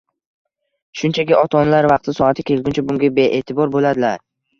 Shunchaki ota-onalar vaqti soati kelguncha bunga bee’tibor bo‘ladilar.